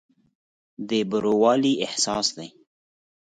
دا بروالي احساس دی.